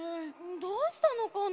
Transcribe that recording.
どうしたのかな？